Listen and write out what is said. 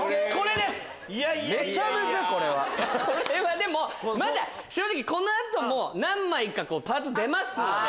でもまだ正直この後も何枚かパーツ出ますんで。